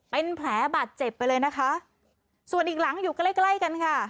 เป็นแผลบาดเจ็บไปเลยนะคะส่วนอีกหลังอยู่ใกล้ใกล้กันค่ะ